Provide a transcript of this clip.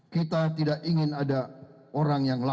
kita tidak ingin ada orang yang lain